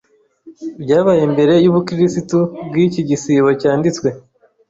byabaye mbere yubukirisitu bwiiki gisigo cyanditswe